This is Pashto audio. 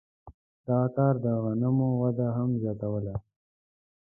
دغه کار د غنمو وده هم زیاتوله.